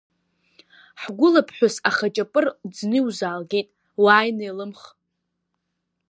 Ҳгәыла ԥҳәыс ахаҷапыр ӡны иузаалгеит, уааины илымх!